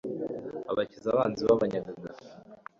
abakiza abanzi babanyagaga